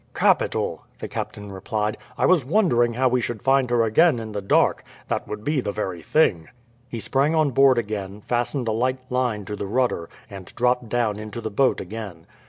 "Capital!" the captain replied. "I was wondering how we should find her again in the dark. That would be the very thing." He sprang on board again, fastened a light line to the rudder, and dropped down into the boat again.